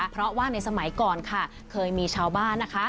เพราะว่าในสมัยก่อนค่ะเคยมีชาวบ้านนะคะ